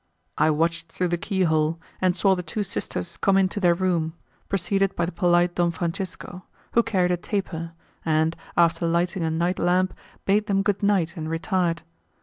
I watched through the key hole and saw the two sisters come into their room, preceded by the polite Don Francisco, who carried a taper, and, after lighting a night lamp, bade them good night and retired.